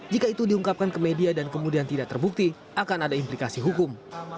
jika itu diungkapkan ke media dan kemudian tidak terbukti akan ada implikasi hukum